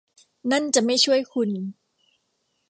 นั่นจะไม่ช่วยคุณ